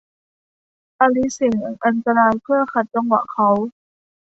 อลิซเสี่ยงอันตรายเพื่อขัดจังหวะเขา